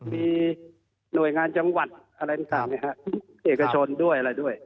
มีหน่วยงานจังหวัดอะไรต่างเอกชนด้วยอะไรด้วย